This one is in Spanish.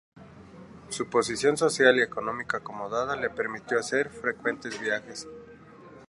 Su posición social y económica acomodada le permitió hacer frecuentes viajes.